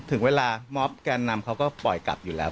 ถึงเวลามอบแกนนำเขาก็ปล่อยกลับอยู่แล้ว